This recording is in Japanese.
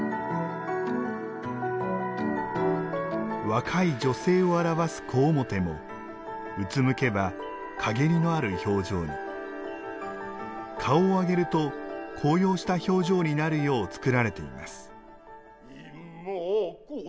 若い女性を表す小面もうつむけば、陰りのある表情に顔を上げると高揚した表情になるよう作られています。